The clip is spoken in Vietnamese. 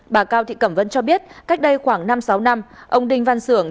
bà cao thị cẩm vân cho biết cách đây khoảng năm sáu năm ông đinh văn xưởng